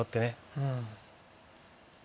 うん。